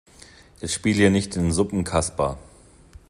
Jetzt spiel hier nicht den Suppenkasper.